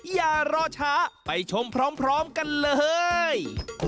อย่ารอช้าไปชมพร้อมกันเลย